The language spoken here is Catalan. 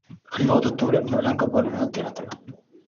El nou d'octubre na Blanca vol anar al teatre.